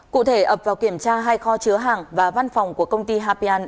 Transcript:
cụ thể ập vào kiểm tra hai kho chứa hàng và văn phòng của công ty hapian